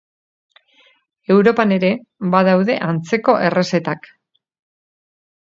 Europan ere badaude antzeko errezetak.